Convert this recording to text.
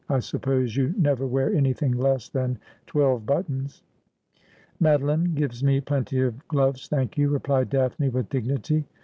I suppose you ilever wear anything less than twelve buttons ?' 'Madoline gives me plenty of gloves, thank you,' replied Daphne with dignity.